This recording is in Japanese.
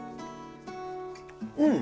うん！